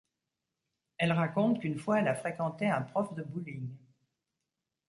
Elle raconte qu'une fois elle a fréquenté un prof de bowling.